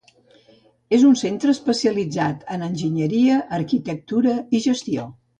És un centre especialitzat en Enginyeria, Arquitectura i Gestió.